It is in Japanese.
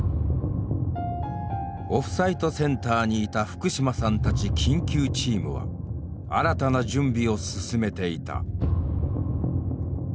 オフサイトセンターにいた福島さんたち緊急チームは新たな準備を進めていた。